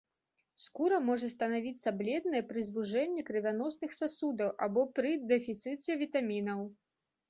Скура можа станавіцца бледнай пры звужэнні крывяносных сасудаў або пры дэфіцыце вітамінаў.